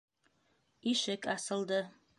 - Ишек асылды.